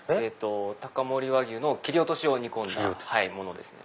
高森和牛の切り落としを煮込んだものですね。